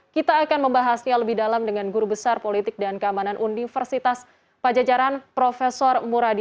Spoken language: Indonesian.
kita akan membahasnya lebih dalam dengan guru besar politik dan keamanan universitas pajajaran prof muradi